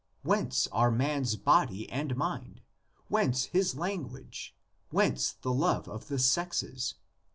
Whence are man's body and mind? Whence his language? Whence the love of the sexes?